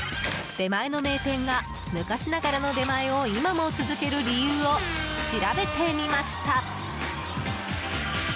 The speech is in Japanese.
出前の名店が昔ながらの出前を今も続ける理由を調べてみました。